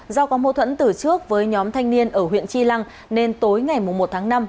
do có mâu thuẫn tử trước với nhóm thanh niên ở huyện chi lăng nên tối ngày một tháng năm